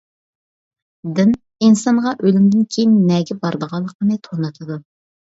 دىن ئىنسانغا ئۆلۈمدىن كېيىن نەگە بارىدىغانلىقىنى تونۇتىدۇ.